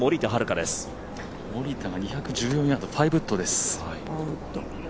森田が２１４ヤード、５ウッドです。